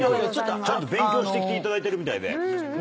ちゃんと勉強してきていただいてるみたいで。